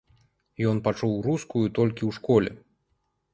Ён пачуў рускую толькі ў школе.